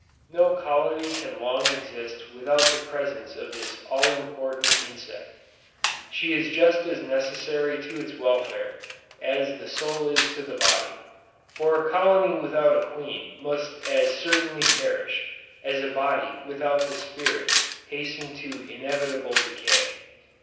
No colony can long exist without the presence of this all important insect. She is just as necessary to its welfare, as the soul is to the body, for a colony without a queen must as certainly perish, as a body without the spirit hasten to inevitable decay.